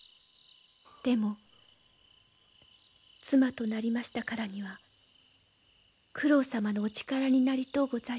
でも妻となりましたからには九郎様のお力になりとうございます。